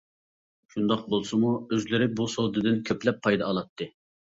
شۇنداق بولسىمۇ ئۆزلىرى بۇ سودىدىن كۆپلەپ پايدا ئالاتتى.